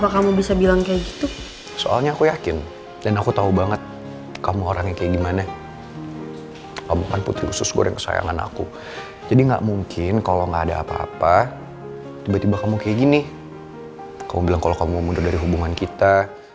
kamu bilang kalau kamu mau mundur dari hubungan kita